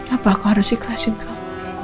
apa aku harus ikhlasin kamu